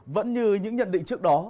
vẫn như những nhận định trước đó